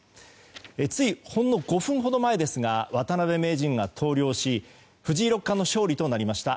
ついほんの５分ほど前ですが渡辺名人が投了し藤井六冠の勝利となりました。